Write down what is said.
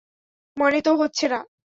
মনে তো হচ্ছে না।